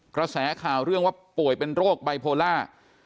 กระแสข่าวเรื่องว่าป่วยเป็นโรคไบโพล่า